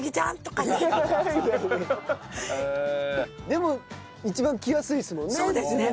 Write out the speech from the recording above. でも一番着やすいですもんね。